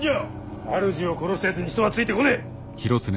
主を殺したやつに人はついてこねえ。